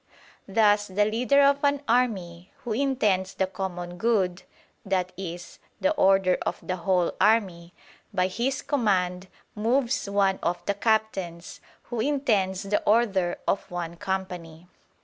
Thus the leader of an army, who intends the common good i.e. the order of the whole army by his command moves one of the captains, who intends the order of one company.